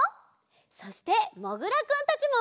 そしてもぐらくんたちも。